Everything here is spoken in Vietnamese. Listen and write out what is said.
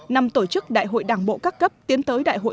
năm tổ chức đại hội đảng bộ các cấp tiến tới đại hội